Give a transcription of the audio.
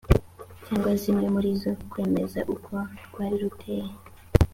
cyangwa zimwe muri zo kwemeza uko rwari ruteye